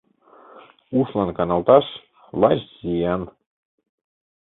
Ушлан каналташ — лач зиян.